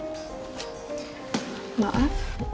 dengan ibu saya bu